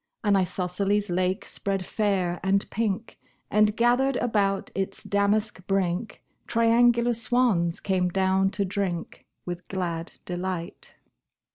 An isosceles lake spread fair and pink, And, gathered about its damask brink, Triangular swans came down to drink With glad delight.